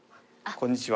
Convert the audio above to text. こんにちは。